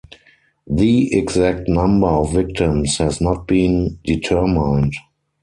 The exact number of victims has not been determined.